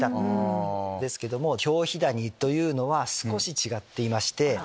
ヒョウヒダニというのは少し違っていまして。